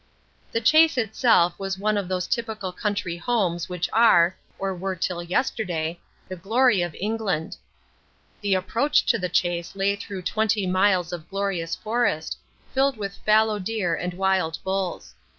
The Chase itself was one of those typical country homes which are, or were till yesterday, the glory of England. The approach to the Chase lay through twenty miles of glorious forest, filled with fallow deer and wild bulls.